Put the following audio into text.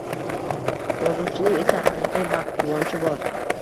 Yozuvchining esa haqiqiy baxt-quvonchi bor